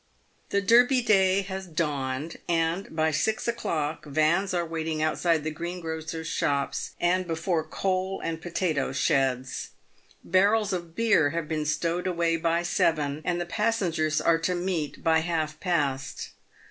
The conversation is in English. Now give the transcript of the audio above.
The Derby Day has dawned, and by six o'clock vans are waiting outside the greengrocers' shops and before coal and potato sheds. Barrels of beer have been stowed away by seven, and the passengers are to meet by half past.